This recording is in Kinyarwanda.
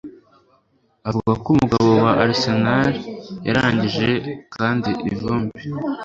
avuga ko umugabo wa Arsenal yarangije kandi ivumbi